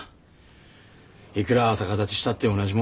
いくら逆立ちしたって同じもんは作れんでな。